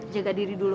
jaga diri dulu